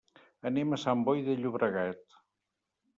Anem a Sant Boi de Llobregat.